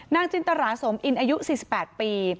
จินตราสมอินอายุ๔๘ปี